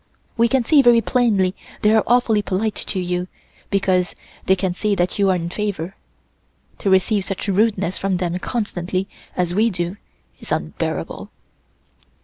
We can see very plainly they are awfully polite to you because they can see that you are in favor. To receive such rudeness from them, constantly, as we do, is unbearable.